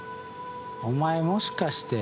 お前もしかして。